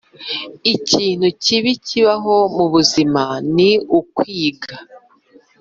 ikintu kibi kibaho mubuzima ni ukwiga